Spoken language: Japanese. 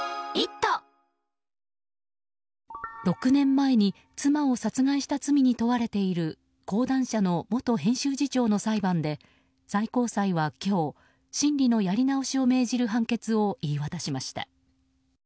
６年前に妻を殺害した罪に問われている講談社の元編集次長の裁判で最高裁は今日審理のやり直しを命じる判決を言い渡しました。